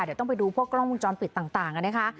เดี๋ยวต้องไปดูพวกกล้องวงจรปิดต่างนะคะ